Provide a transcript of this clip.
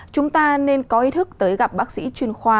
chúng ta nên có ý thức tới gặp bác sĩ chuyên khoa